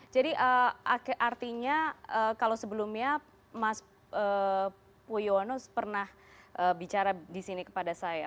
jadi artinya kalau sebelumnya mas puyoono pernah bicara di sini kepada saya